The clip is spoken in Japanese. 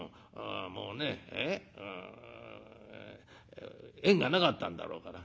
もうね縁がなかったんだろうから。